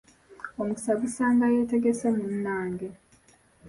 Omukisa gusanga yeetegesse munange!